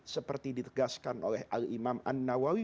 seperti ditegaskan oleh al imam an nawawi